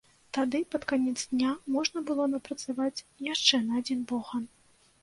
Тады пад канец дня можна было напрацаваць яшчэ на адзін бохан.